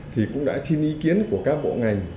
thì cũng đã xin ý kiến của các bộ ngành